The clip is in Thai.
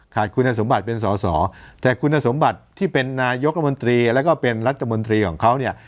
ขาดคุณสมบัติเป็นสอสอแต่คุณสมบัติที่เป็นนายกรัฐมนตรีแล้วก็เป็นรัฐมนตรีของเขาเนี่ย